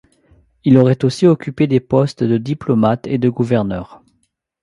Il aurait aussi occupé des postes de diplomate et de gouverneur.